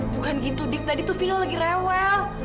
bukan gitu dik tadi tuh vino lagi rewel